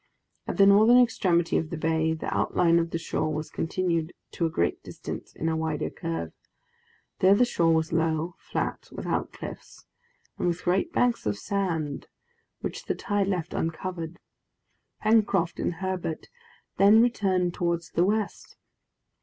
At the northern extremity of the bay the outline of the shore was continued to a great distance in a wider curve. There the shore was low, flat, without cliffs, and with great banks of sand, which the tide left uncovered. Pencroft and Herbert then returned towards the west.